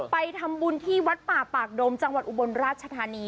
ไปทำบุญที่วัดป่าปากดมจังหวัดอุบลราชธานี